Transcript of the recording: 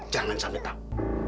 jangan sampai tahu